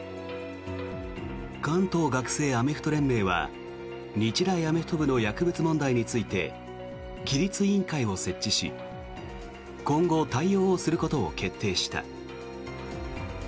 関東学生アメフト連盟は日大アメフト部の薬物問題について規律委員会を設置し今後、対応することを決定した。